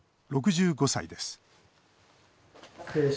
６５歳です。